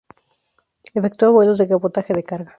Efectúa vuelos de cabotaje de carga.